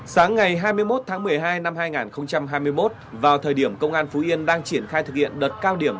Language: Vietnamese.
sáng ngày hai mươi một tháng một mươi hai năm hai nghìn hai mươi một vào thời điểm công an phú yên đang triển khai thực hiện đợt cao điểm